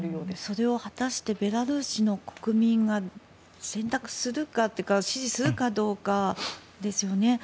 それを果たしてベラルーシの国民が選択するかというか支持するかどうかですよね。